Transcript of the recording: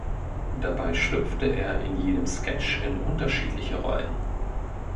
Dabei schlüpfte er in jedem Sketch in unterschiedliche Rollen.